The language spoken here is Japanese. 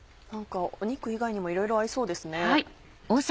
肉以外にもいろいろ合いそうですね。